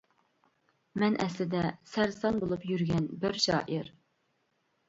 مەن ئەسلىدە سەرسان بولۇپ يۈرگەن بىر شائىر.